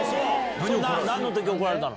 なんのとき、怒られたの。